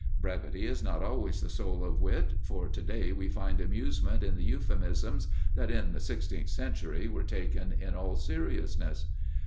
Brevity is not always the soul of wit, for today we find amusement in the euphuisms that, in the sixteenth century were taken in all seriousness.